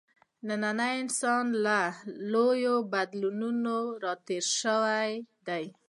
نننی انسان له لویو بدلونونو راتېر شوی دی.